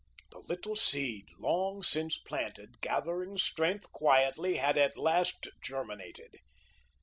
The little seed, long since planted, gathering strength quietly, had at last germinated.